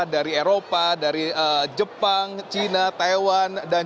dari eropa dari jepang cina taiwan